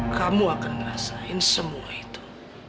kamu akan ngerasain semua itu